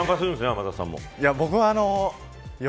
天達さんも。